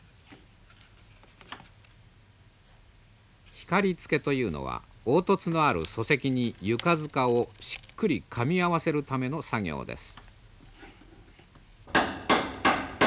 光つけというのは凹凸のある礎石に床づかをしっくりかみ合わせるための作業です。